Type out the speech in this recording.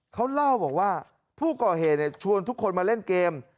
เขาเล่าบอกว่าผู้ก่อเหตุชวนทุกคนมาเล่นเกม